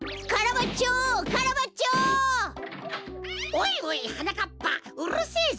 おいおいはなかっぱうるせえぞ！